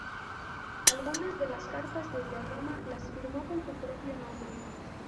Algunas de las cartas desde Roma las firmó con su propio nombre.